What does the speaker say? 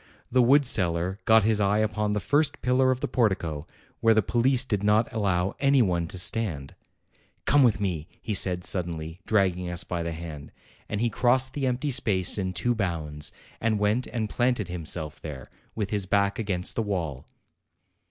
The wood seller got his eye upon the first pillar of the portico, where the police did not allow any one to stand ; "Come with me," he said suddenly, dragging us by the hand; and he crossed the empty space 'in two bounds, and went and planted himself there, .with his back against the wall.